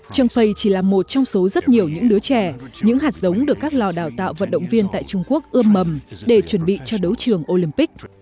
trang phầy chỉ là một trong số rất nhiều những đứa trẻ những hạt giống được các lò đào tạo vận động viên tại trung quốc ươm mầm để chuẩn bị cho đấu trường olympic